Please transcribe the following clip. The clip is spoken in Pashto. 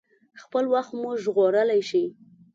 خپل وخت مو ژغورلی شئ.